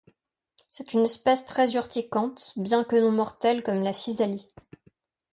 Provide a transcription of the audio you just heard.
C'est une espèce très urticante, bien que non mortelle comme la physalie.